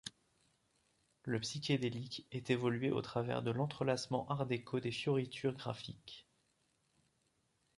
Le psychédélique est évoqué au travers de l'entrelacement art déco des fioritures graphiques.